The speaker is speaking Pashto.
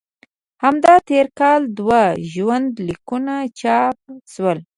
همدا تېر کال دوه ژوند لیکونه چاپ شول.